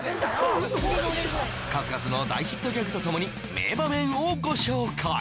数々の大ヒット曲とともに名場面をご紹介